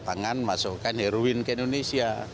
pangan masukkan heroin ke indonesia